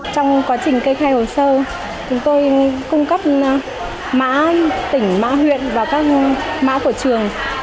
trong quá trình cây khai hồ sơ chúng tôi cung cấp mã tỉnh mã huyện và các mã của trường